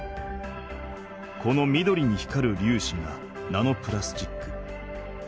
この緑に光るりゅうしがナノプラスチック。